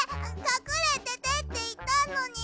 かくれててっていったのに。